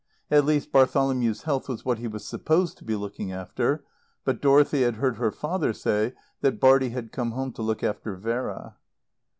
At least, Bartholomew's health was what he was supposed to be looking after; but Dorothy had heard her father say that Bartie had come home to look after Vera.